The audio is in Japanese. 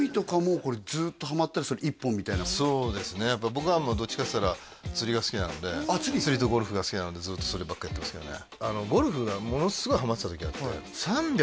僕はどっちかっていったら釣りが好きなので釣りとゴルフが好きなのでずっとそればっかやってますけどね